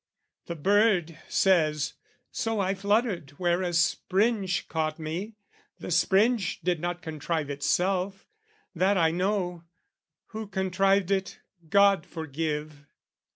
The bird says "So I fluttered where a springe "Caught me: the springe did not contrive itself, "That I know: who contrived it, God forgive!"